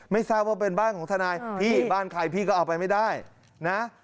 ไม่ทราบว่าเป็นบ้านของทนายพี่บ้านใครพี่ก็เอาไปไม่ได้นะ